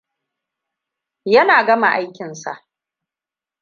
Yana gama aikinsa.